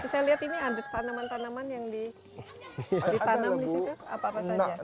saya lihat ini ada tanaman tanaman yang ditanam di situ apa apa saja